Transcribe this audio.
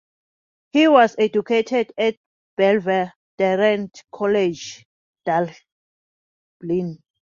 He was educated at Belvedere College, Dublin.